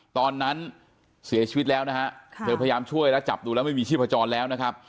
ตอนนั้นเสียชีวิตแล้วนะฮะเธอพยายามช่วยแล้วจับดูแล้วไม่มีชีพจรแล้วนะครับ